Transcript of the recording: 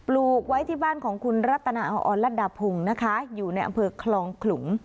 ลูกไว้ที่บ้านของคุณรัตนาออนรัฐดาพงศ์นะคะอยู่ในอำเภอคลองขลุง